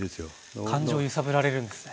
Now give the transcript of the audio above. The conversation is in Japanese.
感情を揺さぶられるんですね。